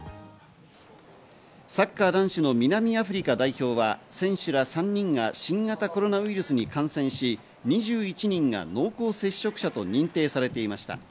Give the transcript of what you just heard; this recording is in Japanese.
サッカー男子の南アフリカ代表は選手ら３人が新型コロナウイルスに感染し、２１人が濃厚接触者と認定されていました。